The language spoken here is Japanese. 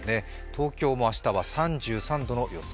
東京も明日は３３度の予想。